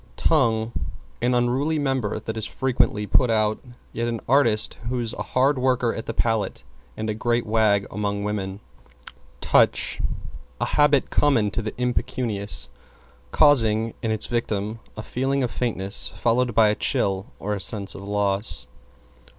=TONGUE= An unruly member that is frequently put out, yet an artist who's a hard worker at the palate and a great wag among women. =TOUCH= A habit common to the impecunious, causing in its victim a feeling of faintness, followed by a chill or a sense of loss.